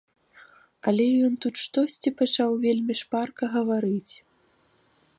Але ён тут штосьці пачаў вельмі шпарка гаварыць.